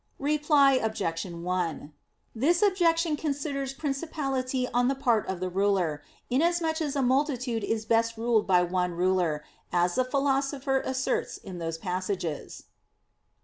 Reply Obj. 1: This objection considers principality on the part of the ruler, inasmuch as a multitude is best ruled by one ruler, as the Philosopher asserts in those passages.